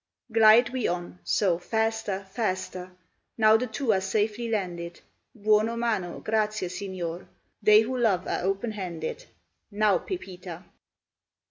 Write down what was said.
Glide we on; so, faster, faster. Now the two are safely landed. Buono mano, grazie, Signor, They who love are open handed. Now, Pepita!